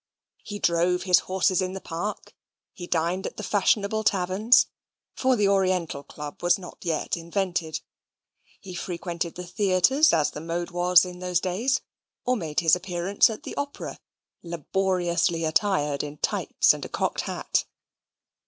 He drove his horses in the Park; he dined at the fashionable taverns (for the Oriental Club was not as yet invented); he frequented the theatres, as the mode was in those days, or made his appearance at the opera, laboriously attired in tights and a cocked hat.